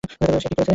সে কী করছে?